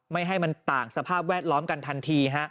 ไม่ให้มันต่างสภาพแวดล้อมกันทันที